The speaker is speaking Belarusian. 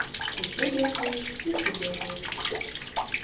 Усе бегаюць і ты бегаеш.